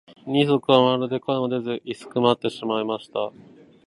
二疋はまるで声も出ず居すくまってしまいました。